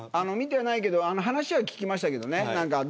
見てないけど話は聞きましたけどね。